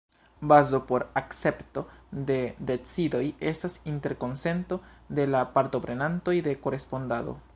Bazo por akcepto de decidoj estas interkonsento de la partoprenantoj de korespondado.